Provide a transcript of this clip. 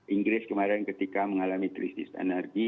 inggris kemarin ketika mengalami krisis energi